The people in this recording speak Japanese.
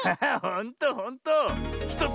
ほんとほんと。